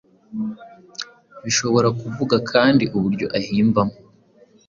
Bishobora kuvuga kandi uburyo ahimbamo,